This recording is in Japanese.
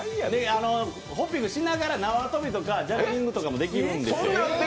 ホッピングしながら縄跳びとかジャグリングもできるので。